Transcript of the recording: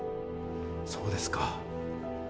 そうですか。